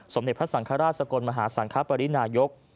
สมเด็จพระสังฆราชสกลมหาสังคปรินายก